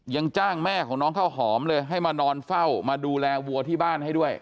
ยังจ้างแม่ของน้องข้าวหอมเลยให้มานอนเฝ้ามาดูแลวัวที่บ้านให้ด้วย